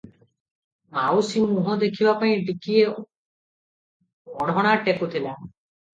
ମାଉସୀ ମୁହଁ ଦେଖିବାପାଇଁ ଟିକିଏ ଓଢ଼ଣା ଟେକୁଥିଲା ।